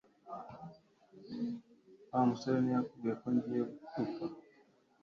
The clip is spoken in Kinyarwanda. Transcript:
Wa musore ntiyakubwiye ko ngiye gupfa?